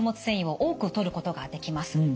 繊維を多くとることができます。